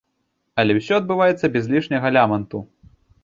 Але ўсё адбываецца без лішняга ляманту.